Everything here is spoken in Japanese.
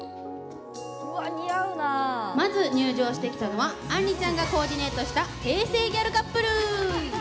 まず入場してきたのはあんりちゃんがコーディネートした平成ギャルカップル。